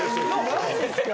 マジですか？